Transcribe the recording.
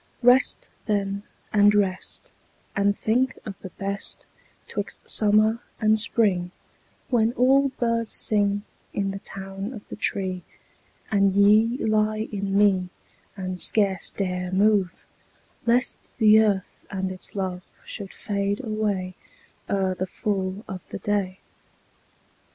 Rest then and rest, And think of the best 'Twixt summer and spring, When all birds sing In the town of the tree, And ye lie in me And scarce dare move, Lest the earth and its love Should fade away Ere the full of the day.